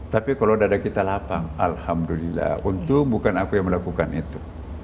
tapi kalau dada kita lapang alhamdulillah untung bukan aku yang melakukan itu